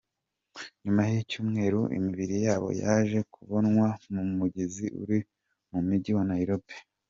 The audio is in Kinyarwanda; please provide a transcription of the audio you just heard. Nyuma y’icyumweru imibiri yabo yaje kubonwa mu mugezi uri mu mujyi wa Nairobi.